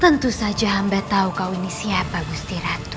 tentu saja hamba tahu kau ini siapa gusti ratu